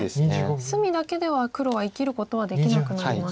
隅だけでは黒は生きることはできなくなりました。